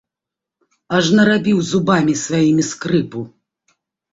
Аж нарабіў зубамі сваімі скрыпу.